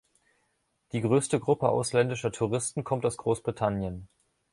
Die größte Gruppe ausländischer Touristen kommt aus Großbritannien.